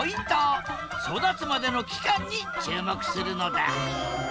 育つまでの期間に注目するのだ！